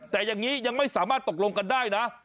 แต่อย่างนี้ยังไม่สามารถตกลงกันได้นะ